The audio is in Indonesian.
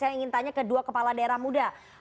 saya ingin tanya ke dua kepala daerah muda